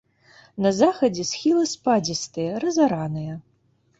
На захадзе схілы спадзістыя, разараныя.